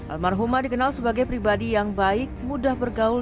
almarhumah dikenal sebagai pribadi yang baik mudah bergaul